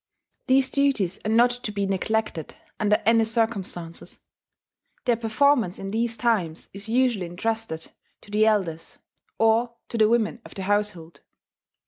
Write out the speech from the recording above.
These duties are not to be neglected under any circumstances; their performance in these times is usually intrusted to the elders, or to the women of the household.